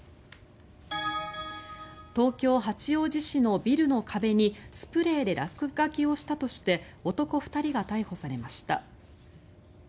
東京・八王子市のビルの壁にスプレーで落書きをしたとして男２人が逮捕されました。